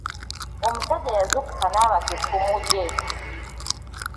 Omusajja yazuukuka n’abaka effumu lye.